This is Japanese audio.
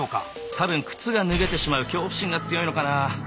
多分靴が脱げてしまう恐怖心が強いのかな。